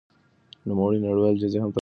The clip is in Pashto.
نوموړي نړيوالې جايزې هم ترلاسه کړې دي.